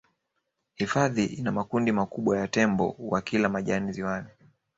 hifadhi ina makundi makubwa ya tembo wakila majani ziwani